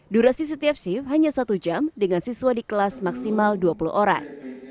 durasi setiap shift hanya satu jam dengan siswa di kelas maksimal dua puluh orang